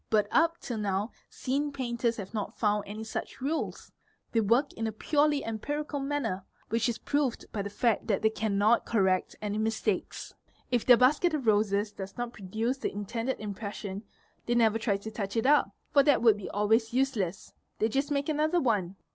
But up till now scene painters have not found any such rules; they work in a purely empirical manner, which is proved by the fact that they cannot correct any mis | takes. If their basket of roses does not produce the intended impression — they never try to touch it up, for that would be always useless; they just make another one.